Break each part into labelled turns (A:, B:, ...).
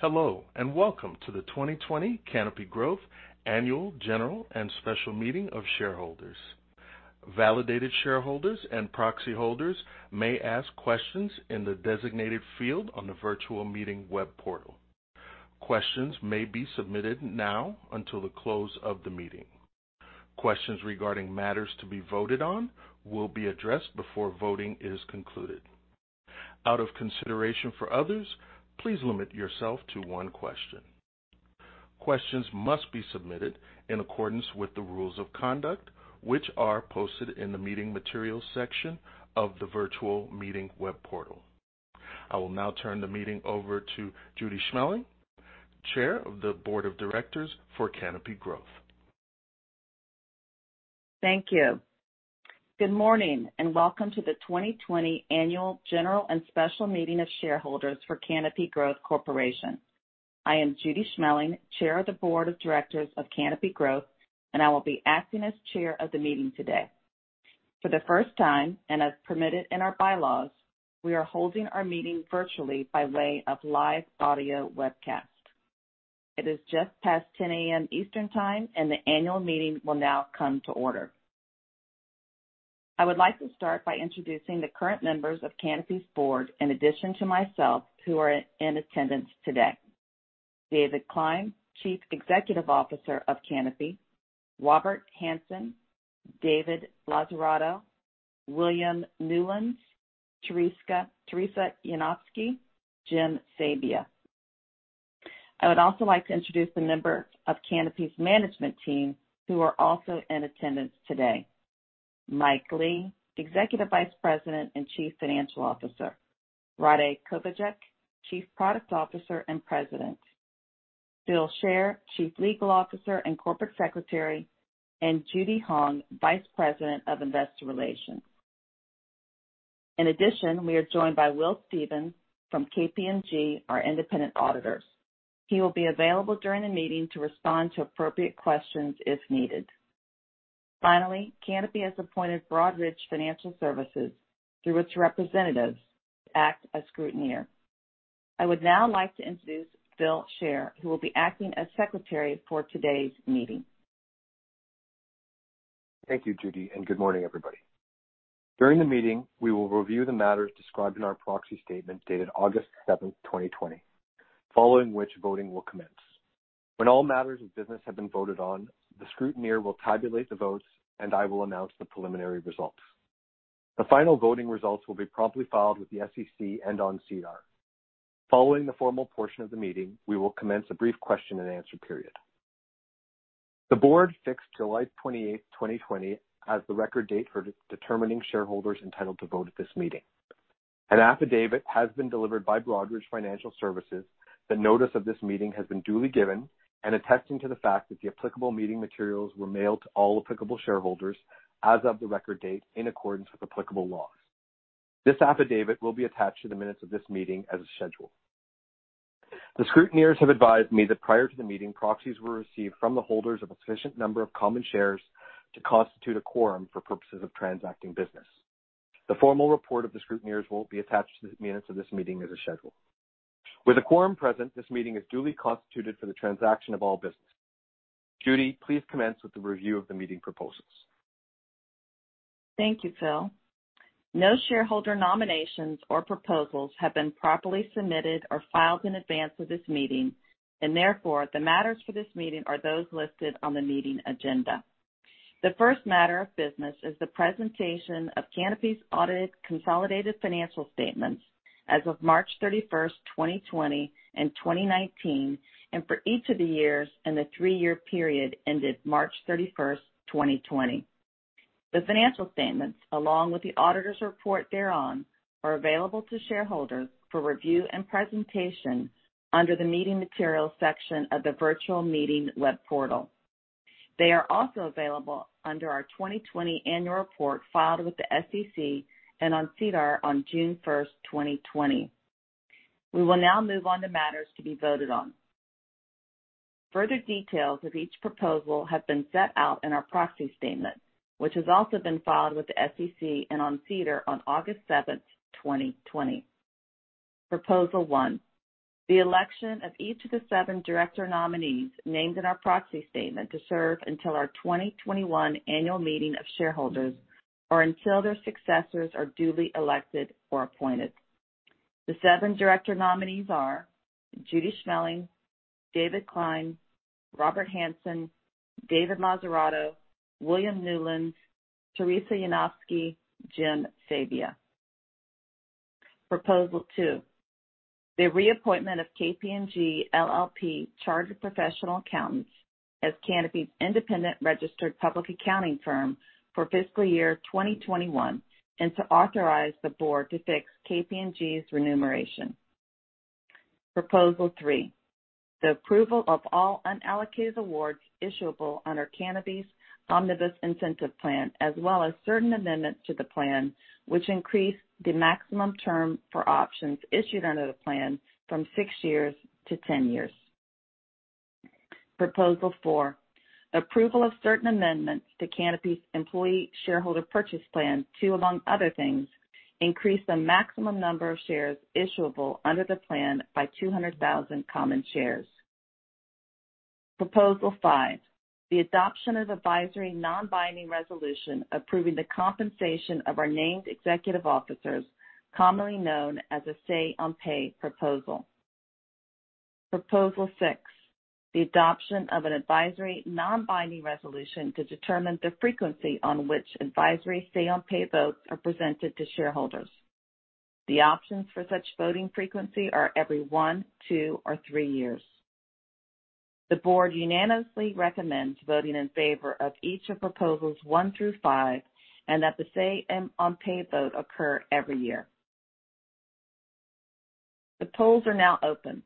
A: Hello, and welcome to the 2020 Canopy Growth Annual General and Special Meeting of Shareholders. Validated shareholders and proxy holders may ask questions in the designated field on the virtual meeting web portal. Questions may be submitted now until the close of the meeting. Questions regarding matters to be voted on will be addressed before voting is concluded. Out of consideration for others, please limit yourself to one question. Questions must be submitted in accordance with the rules of conduct, which are posted in the Meeting Materials section of the virtual meeting web portal. I will now turn the meeting over to Judy Schmeling, Chair of the Board of Directors for Canopy Growth.
B: Thank you. Good morning, and welcome to the 2020 Annual General and Special Meeting of Shareholders for Canopy Growth Corporation. I am Judy Schmeling, Chair of the Board of Directors of Canopy Growth, and I will be acting as chair of the meeting today. For the first time, and as permitted in our bylaws, we are holding our meeting virtually by way of live audio webcast. It is just past 10:00 A.M. Eastern Time, and the annual meeting will now come to order. I would like to start by introducing the current members of Canopy's board, in addition to myself, who are in attendance today. David Klein, Chief Executive Officer of Canopy. Robert Hanson. David Lazzarato. William Newlands. Theresa Yanofsky. Jim Sabia. I would also like to introduce the members of Canopy's management team who are also in attendance today. Mike Lee, Executive Vice President and Chief Financial Officer. Rade Kovacevic, Chief Product Officer and President. Phil Shaer, Chief Legal Officer and Corporate Secretary, and Judy Hong, Vice President of Investor Relations. In addition, we are joined by Will Stevens from KPMG, our independent auditors. He will be available during the meeting to respond to appropriate questions if needed. Finally, Canopy has appointed Broadridge Financial Services through its representatives to act as scrutineer. I would now like to introduce Phil Shaer, who will be acting as secretary for today's meeting.
C: Thank you, Judy. Good morning, everybody. During the meeting, we will review the matters described in our proxy statement dated August 7th, 2020, following which voting will commence. When all matters of business have been voted on, the scrutineer will tabulate the votes, and I will announce the preliminary results. The final voting results will be promptly filed with the SEC and on SEDAR. Following the formal portion of the meeting, we will commence a brief question and answer period. The board fixed July 28th, 2020, as the record date for determining shareholders entitled to vote at this meeting. An affidavit has been delivered by Broadridge Financial Services that notice of this meeting has been duly given and attesting to the fact that the applicable meeting materials were mailed to all applicable shareholders as of the record date in accordance with applicable laws. This affidavit will be attached to the minutes of this meeting as scheduled. The scrutineers have advised me that prior to the meeting, proxies were received from the holders of a sufficient number of common shares to constitute a quorum for purposes of transacting business. The formal report of the scrutineers will be attached to the minutes of this meeting as scheduled. With a quorum present, this meeting is duly constituted for the transaction of all business. Judy, please commence with the review of the meeting proposals.
B: Thank you, Phil. No shareholder nominations or proposals have been properly submitted or filed in advance of this meeting, and therefore, the matters for this meeting are those listed on the meeting agenda. The first matter of business is the presentation of Canopy's audited consolidated financial statements as of March 31st, 2020, and 2019, and for each of the years in the three-year period ended March 31st, 2020. The financial statements, along with the auditor's report thereon, are available to shareholders for review and presentation under the Meeting Materials section of the virtual meeting web portal. They are also available under our 2020 annual report filed with the SEC and on SEDAR on June 1st, 2020. We will now move on to matters to be voted on. Further details of each proposal have been set out in our proxy statement, which has also been filed with the SEC and on SEDAR on August 7th, 2020. Proposal one, the election of each of the seven director nominees named in our proxy statement to serve until our 2021 Annual Meeting of Shareholders or until their successors are duly elected or appointed. The seven director nominees are Judy Schmeling, David Klein, Robert Hanson, David Lazzarato, William Newlands, Theresa Yanofsky, Jim Sabia. Proposal two, the reappointment of KPMG LLP, Chartered Professional Accountants, as Canopy's independent registered public accounting firm for fiscal year 2021, and to authorize the board to fix KPMG's remuneration. Proposal three, the approval of all unallocated awards issuable under Canopy's Omnibus Incentive Plan, as well as certain amendments to the plan, which increase the maximum term for options issued under the plan from 6 years-10 years. Proposal four, approval of certain amendments to Canopy's Employee Shareholder Purchase Plan to, among other things, increase the maximum number of shares issuable under the plan by 200,000 common shares. Proposal five, the adoption of advisory non-binding resolution approving the compensation of our named executive officers, commonly known as a say on pay proposal. Proposal six, the adoption of an advisory non-binding resolution to determine the frequency on which advisory say on pay votes are presented to shareholders. The options for such voting frequency are every one, two, or three years. The board unanimously recommends voting in favor of each of proposals one through five, and that the say on pay vote occur every year. The polls are now open.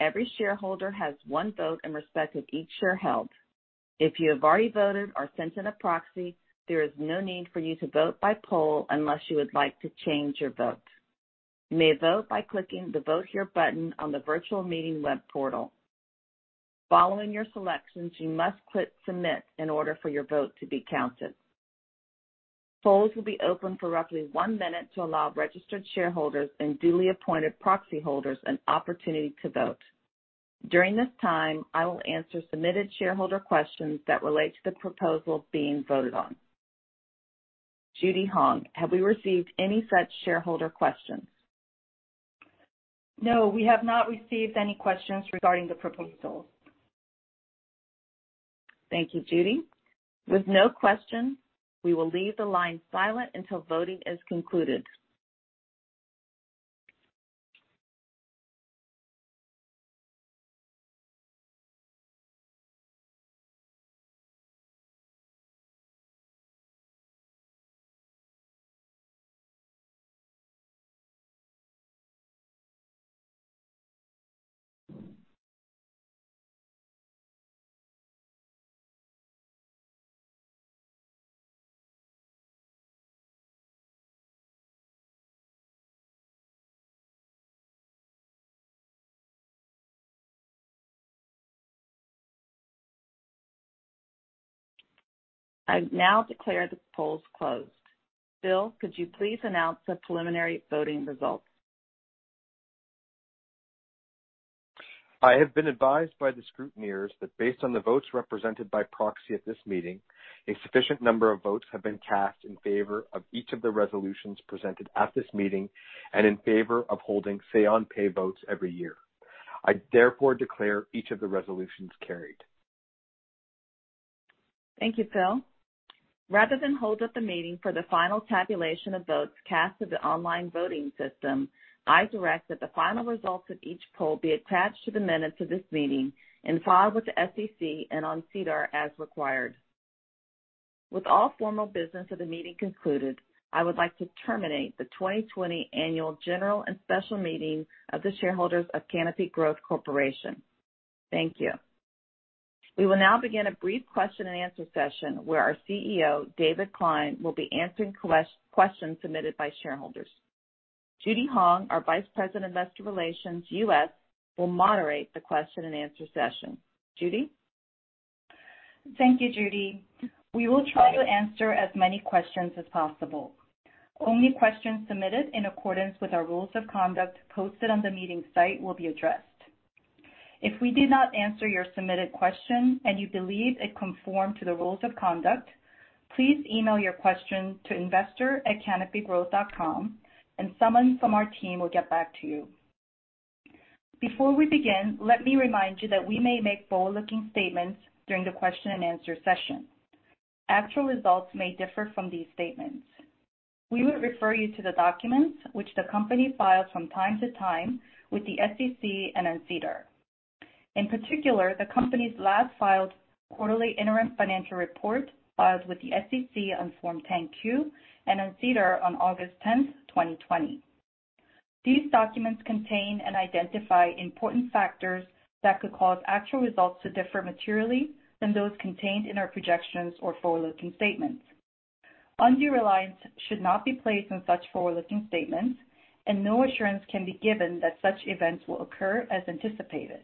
B: Every shareholder has one vote in respect of each share held. If you have already voted or sent in a proxy, there is no need for you to vote by poll unless you would like to change your vote. You may vote by clicking the Vote Here button on the virtual meeting web portal. Following your selections, you must click Submit in order for your vote to be counted. Polls will be open for roughly one minute to allow registered shareholders and duly appointed proxy holders an opportunity to vote. During this time, I will answer submitted shareholder questions that relate to the proposals being voted on. Judy Hong, have we received any such shareholder questions?
D: No, we have not received any questions regarding the proposals.
B: Thank you, Judy. With no questions, we will leave the line silent until voting is concluded. I now declare the polls closed. Phil, could you please announce the preliminary voting results?
C: I have been advised by the scrutineers that based on the votes represented by proxy at this meeting, a sufficient number of votes have been cast in favor of each of the resolutions presented at this meeting and in favor of holding say on pay votes every year. I therefore declare each of the resolutions carried.
B: Thank you, Phil. Rather than hold up the meeting for the final tabulation of votes cast through the online voting system, I direct that the final results of each poll be attached to the minutes of this meeting and filed with the SEC and on SEDAR as required. With all formal business of the meeting concluded, I would like to terminate the 2020 Annual General and Special Meeting of the shareholders of Canopy Growth Corporation. Thank you. We will now begin a brief question and answer session where our CEO, David Klein, will be answering questions submitted by shareholders. Judy Hong, our Vice President, Investor Relations, US, will moderate the question and answer session. Judy?
D: Thank you, Judy. We will try to answer as many questions as possible. Only questions submitted in accordance with our rules of conduct posted on the meeting site will be addressed. If we do not answer your submitted question and you believe it conformed to the rules of conduct, please email your question to investor@canopygrowth.com, and someone from our team will get back to you. Before we begin, let me remind you that we may make forward-looking statements during the question and answer session. Actual results may differ from these statements. We would refer you to the documents which the company files from time to time with the SEC and on SEDAR. In particular, the company's last filed quarterly interim financial report, filed with the SEC on Form 10-Q and on SEDAR on August 10th, 2020. These documents contain and identify important factors that could cause actual results to differ materially from those contained in our projections or forward-looking statements. Undue reliance should not be placed on such forward-looking statements, and no assurance can be given that such events will occur as anticipated.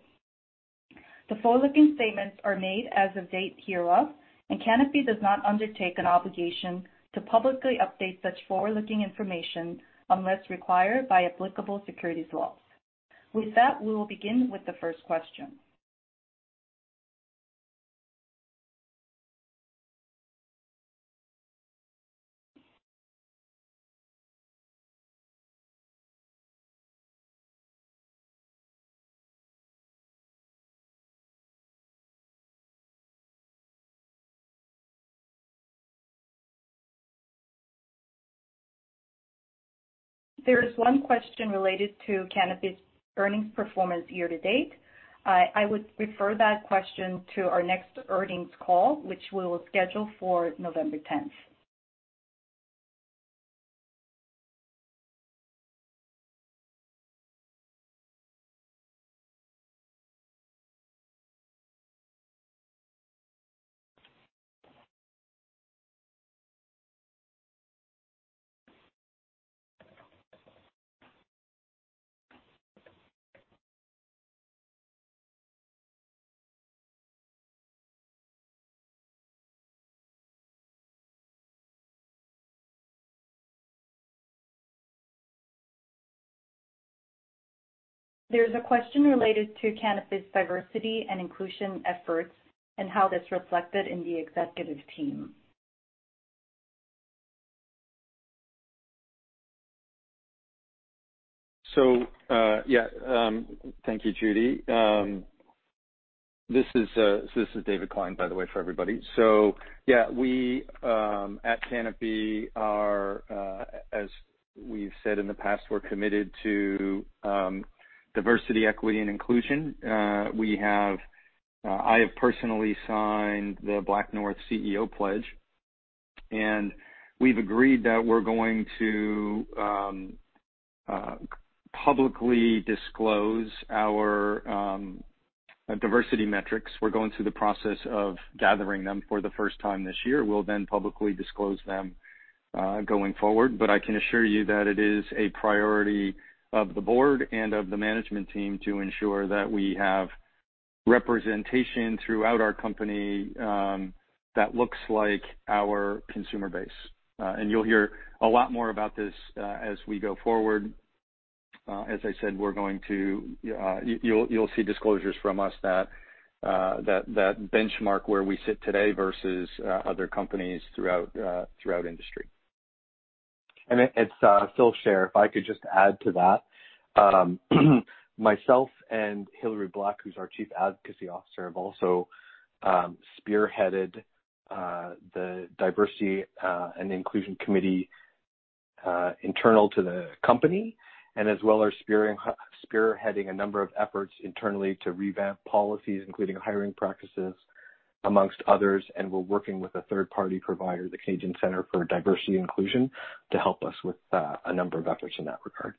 D: The forward-looking statements are made as of date hereof, and Canopy does not undertake an obligation to publicly update such forward-looking information unless required by applicable securities laws. With that, we will begin with the first question. There is one question related to Canopy's earnings performance year to date. I would refer that question to our next earnings call, which we will schedule for November 10th. There's a question related to Canopy's diversity and inclusion efforts and how that's reflected in the executive team.
E: Yeah. Thank you, Judy. This is David Klein, by the way, for everybody. Yeah, we at Canopy Growth are, as we've said in the past, we're committed to diversity, equity, and inclusion. I have personally signed the BlackNorth CEO pledge, and we've agreed that we're going to publicly disclose our diversity metrics. We're going through the process of gathering them for the first time this year. We'll then publicly disclose them, going forward. I can assure you that it is a priority of the board and of the management team to ensure that we have representation throughout our company that looks like our consumer base. You'll hear a lot more about this as we go forward. As I said, you'll see disclosures from us that benchmark where we sit today versus other companies throughout industry.
C: It's Phil Shaer. If I could just add to that. Myself and Hilary Black, who's our Chief Advocacy Officer, have also spearheaded the diversity and inclusion committee internal to the company and as well are spearheading a number of efforts internally to revamp policies, including hiring practices amongst others. We're working with a third-party provider, the Canadian Centre for Diversity and Inclusion, to help us with a number of efforts in that regard.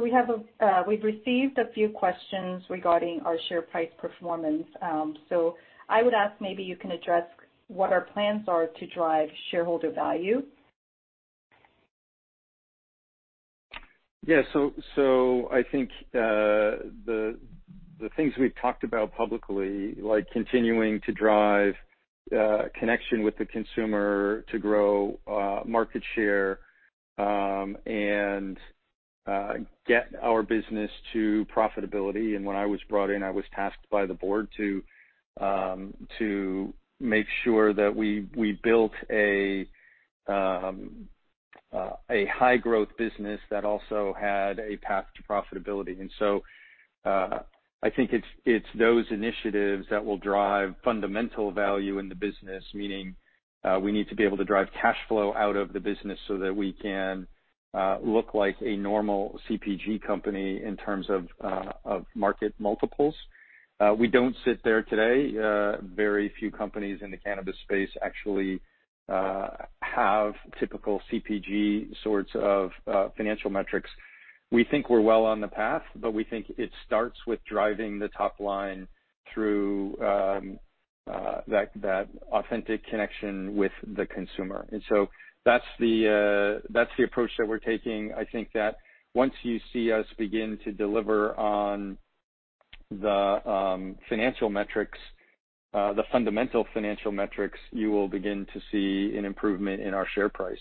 D: We've received a few questions regarding our share price performance. I would ask maybe you can address what our plans are to drive shareholder value?
E: I think the things we've talked about publicly, like continuing to drive connection with the consumer to grow market share, and get our business to profitability. When I was brought in, I was tasked by the board to make sure that we built a high-growth business that also had a path to profitability. I think it's those initiatives that will drive fundamental value in the business, meaning, we need to be able to drive cash flow out of the business so that we can look like a normal CPG company in terms of market multiples. We don't sit there today. Very few companies in the cannabis space actually have typical CPG sorts of financial metrics. We think we're well on the path, but we think it starts with driving the top line through that authentic connection with the consumer. That's the approach that we're taking. I think that once you see us begin to deliver on the fundamental financial metrics, you will begin to see an improvement in our share price.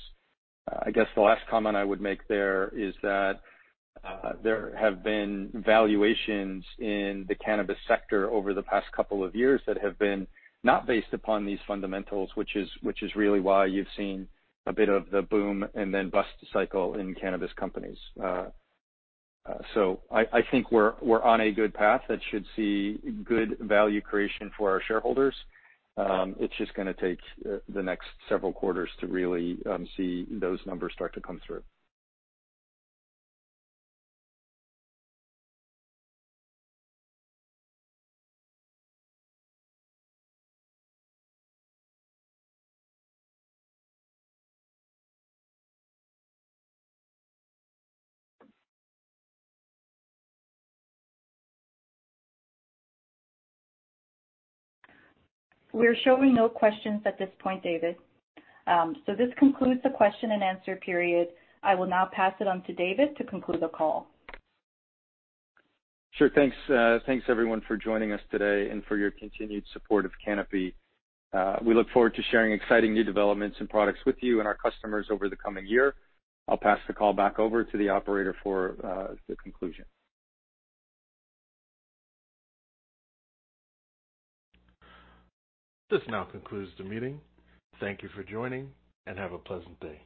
E: I guess the last comment I would make there is that there have been valuations in the cannabis sector over the past couple of years that have been not based upon these fundamentals, which is really why you've seen a bit of the boom and then bust cycle in cannabis companies. I think we're on a good path that should see good value creation for our shareholders. It's just going to take the next several quarters to really see those numbers start to come through.
D: We're showing no questions at this point, David. This concludes the question and answer period. I will now pass it on to David to conclude the call.
E: Sure. Thanks everyone for joining us today and for your continued support of Canopy. We look forward to sharing exciting new developments and products with you and our customers over the coming year. I'll pass the call back over to the operator for the conclusion.
A: This now concludes the meeting. Thank you for joining, and have a pleasant day.